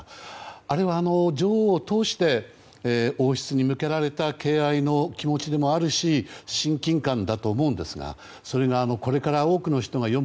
あれは、女王を通して王室に向けられた敬愛の気持ちでもあるし親近感だと思いますがそれが、これから多くの人が読む